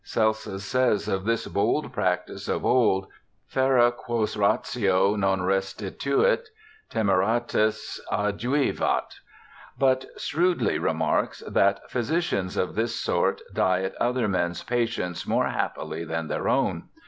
Celsus says of this bold practice of old,y^r^ quos ratio non restitiiit temeritas adiuvat) but shrewdly remarks, that " Physicians of this sort diet other men's patients more happily than their own